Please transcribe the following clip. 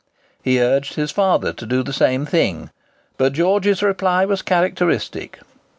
He urged his father to do the same thing, but George's reply was characteristic.